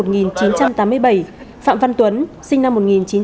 phạm văn tuấn sinh năm